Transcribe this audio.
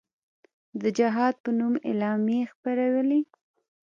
د جهاد په نوم اعلامیې خپرولې.